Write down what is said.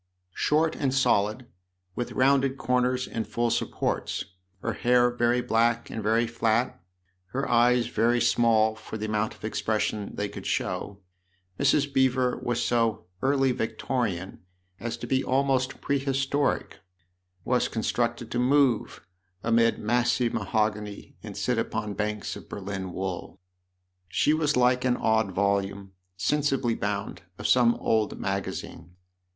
Short and solid, with rounded corners and full supports, her hair very black and very flat, her eyes very small for the amount of expression they could show, Mrs. Beever was so " early Victorian " as to be almost prehistoric was constructed to move amid massive mahogany and sit upon banks of Berlin wool. She was like an odd volume, " sensibly " bound, of some old magazine.